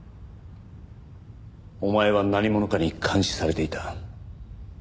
お前は何者かに監視されていた。